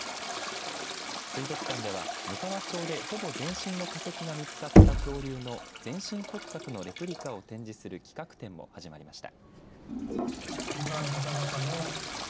水族館では、むかわ町でほぼ全身の化石が見つかった恐竜の全身骨格のレプリカを展示する企画展も始まりました。